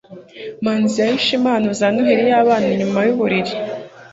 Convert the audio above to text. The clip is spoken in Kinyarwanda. manzi yahishe impano za noheri y'abana inyuma yuburiri